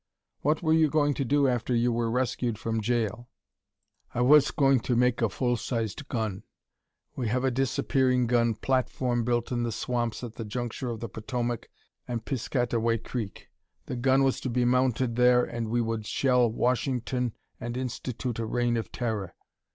"What were you going to do after you were rescued from jail?" "I was going to make a full sized gun. We have a disappearing gun platform built in the swamps at the juncture of the Potomac and Piscataway Creek. The gun was to be mounted there and we would shell Washington and institute a reign of terror.